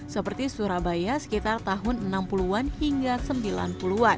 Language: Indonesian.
seperti surabaya sekitar tahun enam puluh an hingga sembilan puluh an